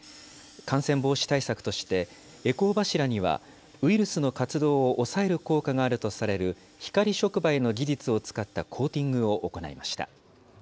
感染防止対策として、回向柱にはウイルスの活動を抑える効果があるとされる光触媒の技術を使ったコーティングを行いました。